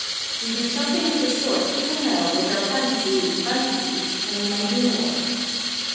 We do something of this sort even now with our "phantasy" and "fantasie," and we might do more.